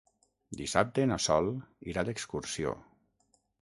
Dissabte na Sol irà d'excursió.